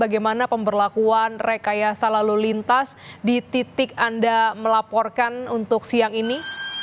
bagaimana pemberlakuan rekayasa lalu lintas di titik anda melaporkan untuk siang ini